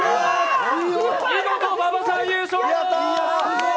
見事、馬場さん優勝！